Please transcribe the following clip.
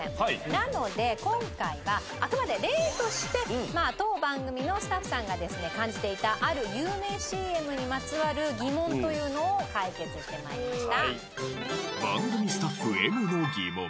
なので今回はあくまで例として当番組のスタッフさんがですね感じていたある有名ＣＭにまつわる疑問というのを解決して参りました。